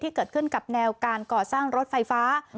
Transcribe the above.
เกิดขึ้นกับแนวการก่อสร้างรถไฟฟ้า